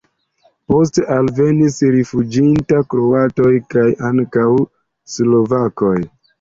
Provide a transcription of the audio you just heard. Poste alvenis rifuĝintaj kroatoj kaj ankaŭ slovakoj.